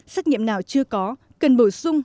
xét nghiệm nào chưa có cần bổ sung